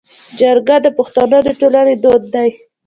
جرګه د پښتنو د ټولنې دود دی